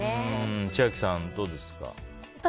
千秋さん、どうですか？